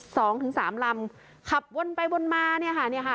สองถึงสามลำขับวนไปวนมาเนี่ยค่ะเนี่ยค่ะ